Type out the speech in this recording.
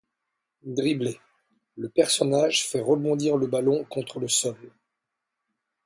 Dribbler: Le personnage fait rebondir le ballon contre le sol.